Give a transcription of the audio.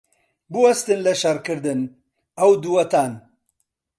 بوەستن لە شەڕکردن، ئەو دووەتان!